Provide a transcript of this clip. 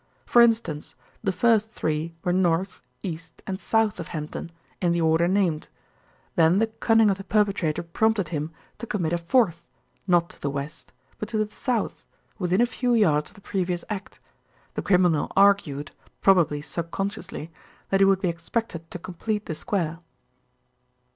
For instance, the first three were north, east, and south of Hempdon, in the order named. Then the cunning of the perpetrator prompted him to commit a fourth, not to the west; but to the south, within a few yards of the previous act. The criminal argued, probably subconsciously, that he would be expected to complete the square."